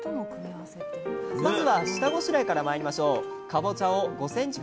まずは下ごしらえからまいりましょう！